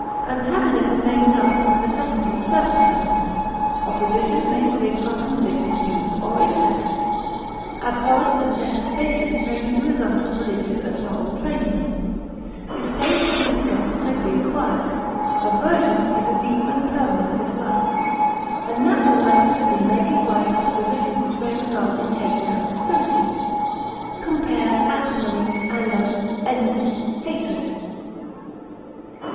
Antagonism may result from the necessity of circumstances; opposition may spring from conflicting views or interests; abhorrence and detestation may be the result of religious and moral training; distaste and disgust may be acquired; aversion is a deep and permanent dislike. A natural antipathy may give rise to opposition which may result in hatred and hostility. Compare ACRIMONY; ANGER; ENMITY; HATRED.